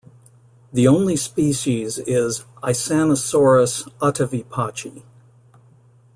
The only species is "Isanosaurus attavipachi".